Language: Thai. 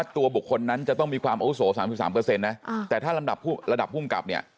ตัวบุคคลนั้นจะต้องมีความอาวุโส๓๓นะแต่ถ้าลำดับระดับภูมิกับเนี่ย